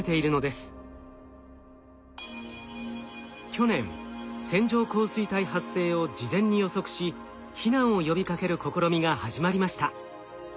去年線状降水帯発生を事前に予測し避難を呼びかける試みが始まりました。